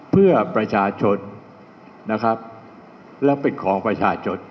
เพื่อประชาชนนะครับแล้วเป็นของประชาชน